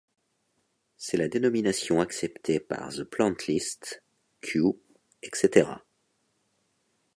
C'est la dénomination acceptée par The Plant List, Kew, etc.